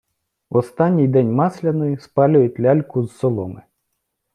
В останній день Масляної спалюють ляльку з соломи.